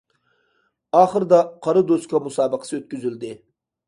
ئاخىردا قارا دوسكا مۇسابىقىسى ئۆتكۈزۈلدى.